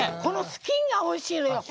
スキンがおいしいのよ。